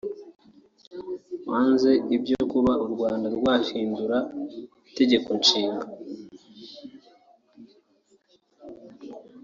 wanze ibyo kuba u Rwanda rwahindura Itegeko Nshinga